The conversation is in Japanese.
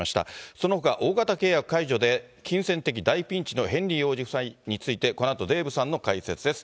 そのほか大型契約解除で金銭的大ピンチのヘンリー王子夫妻について、このあとデーブさんの解説です。